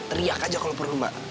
teriak aja kalau perlu mbak